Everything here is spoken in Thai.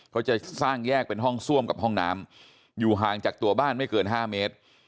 เขาจะสร้างแยกเป็นห้องซ่วมกับห้องน้ำอยู่ห่างจากตัวบ้านไม่เกิน๕เมตร